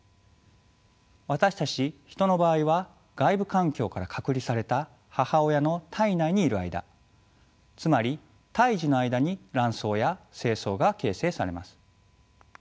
私たちヒトの場合は外部環境から隔離された母親の胎内にいる間つまり胎児の間に卵巣や精巣が形成されます。